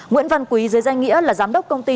nguyễn văn quý dưới danh nghĩa là giám đốc công ty